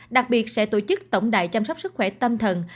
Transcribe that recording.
đặc biệt sẽ tổ chức tổng đài chăm sóc sức khỏe tâm thần